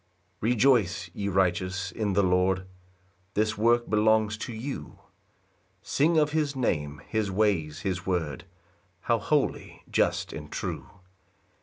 1 Rejoice, ye righteous, in the Lord, This work belongs to you: Sing of his name, his ways, his word, How holy, just, and true!